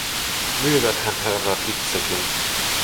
Myyväthän herrat itsekin.